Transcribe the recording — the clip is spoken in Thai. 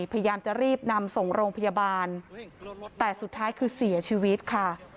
พยายามจะรีบนำส่งโรงพยาบาลแต่สุดท้ายคือเสียชีวิตค่ะ